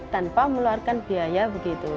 tanpa meluarkan biaya begitu